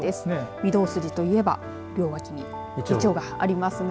御堂筋といえば両脇にイチョウがありますが。